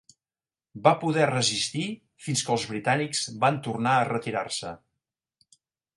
Va poder resistir fins que els britànics van tornar a retirar-se.